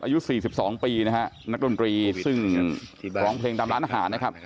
อายุ๔๒ปีนะฮะนักดนตรีซึ่งร้องเพลงตามร้านอาหารนะครับ